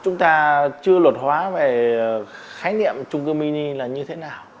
chúng ta chưa luật hóa về khái niệm trung cư mini là như thế nào